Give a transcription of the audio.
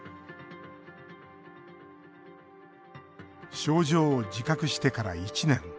症状を自覚してから１年。